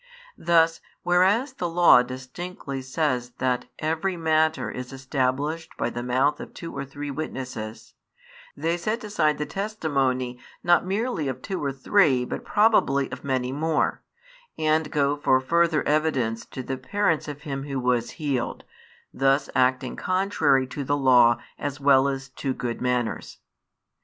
Thus, whereas the law distinctly says that every matter is established by the mouth of two or |33 three witnesses, they set aside the testimony not merely of two or three but probably of many more, and go for further evidence to the parents of him who was healed, thus acting contrary to the law as well as to good manners.